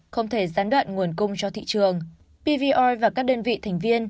không thể gián đoạn nguồn cung cho thị trường pvoi và các đơn vị thành viên